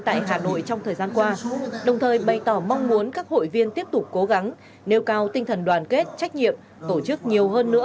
tại hà nội trong thời gian qua đồng thời bày tỏ mong muốn các hội viên tiếp tục cố gắng nêu cao tinh thần đoàn kết trách nhiệm tổ chức nhiều hơn nữa